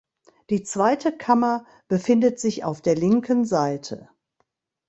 Die zweite Kammer befindet sich, auf der linken Seite.